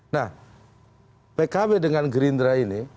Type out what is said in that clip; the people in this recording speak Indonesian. nah pkb dengan gerindra ini